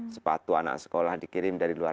sepatu anak sekolah dikirim dari luar